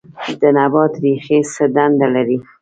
د نبات ریښې څه دنده لري